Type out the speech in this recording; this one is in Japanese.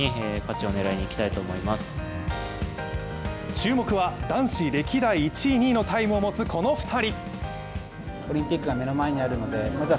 注目は男子歴代１位・２位のタイムを持つこの２人。